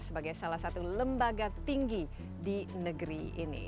sebagai salah satu lembaga tinggi di negeri ini